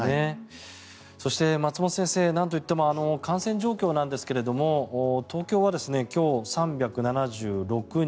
そして、松本先生なんといっても感染状況ですが東京は今日３７６人。